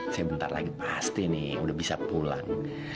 saya bentar lagi pasti nih udah bisa pulang